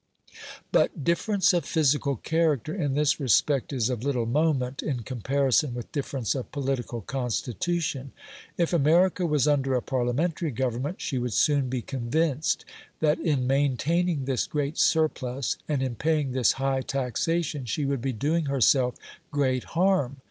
But difference of physical character in this respect is of little moment in comparison with difference of political constitution. If America was under a Parliamentary government, she would soon be convinced that in maintaining this great surplus and in paying this high taxation she would be doing herself great harm.